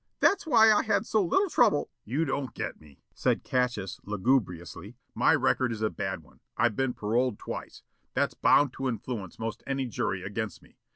"That's why I had so little trouble " "You don't get me," said Cassius lugubriously. "My record is a bad one. I've been paroled twice. That's bound to influence most any jury against me.